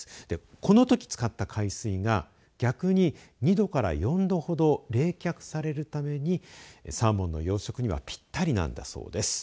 このとき使った海水が逆に２度から４度ほど冷却されるためにサーモンの養殖にはぴったりなんだそうです。